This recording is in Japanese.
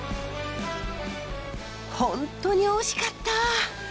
ほんとに惜しかった。